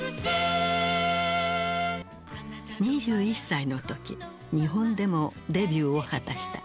２１歳の時日本でもデビューを果たした。